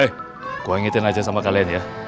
eh gue ingetin aja sama kalian ya